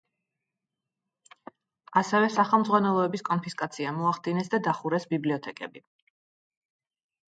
ასევე სახელმძღვანელოების კონფისკაცია მოახდინეს და დახურეს ბიბლიოთეკები.